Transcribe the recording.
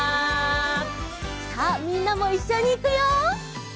さあみんなもいっしょにいくよ！